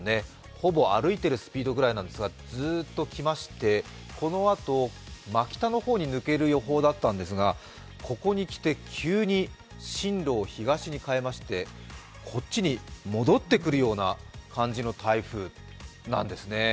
ほぼ歩いているスピードぐらいなんですがずーっときましてこのあと真北の方に抜ける予定だったんですが、ここにきて急に進路を東に変えましてこっちに戻ってくるような感じの台風なんですね。